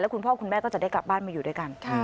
คุณพ่อคุณแม่ก็จะได้กลับบ้านมาอยู่ด้วยกัน